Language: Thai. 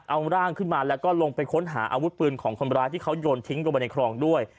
เอาร่างขึ้นมาแล้วก็ลงไปค้นหาอาวุธปืนของคนร้ายที่เขาโยนทิ้งลงไปในคลองด้วย